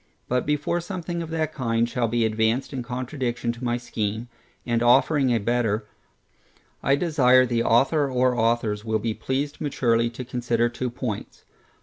But before something of that kind shall be advanced in contradiction to my scheme, and offering a better, I desire the author or authors will be pleased maturely to consider two points.